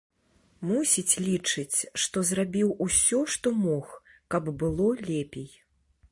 Мусіць, лічыць, што зрабіў усё, што мог, каб было лепей.